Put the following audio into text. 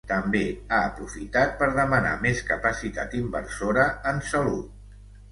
També ha aprofitat per demanar més capacitat inversora en salut.